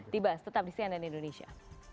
dibahas tetap di cnn indonesia